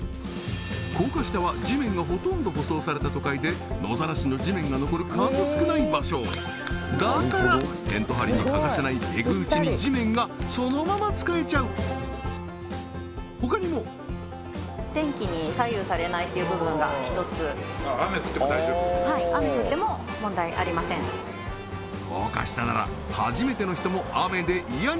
高架下は地面がほとんど舗装された都会で野晒しの地面が残る数少ない場所だからテント張りに欠かせないペグ打ちに地面がそのまま使えちゃう他にも雨降っても大丈夫さらにそうですよね